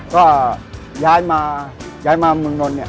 ก็ย้ายมาเมืองนนท์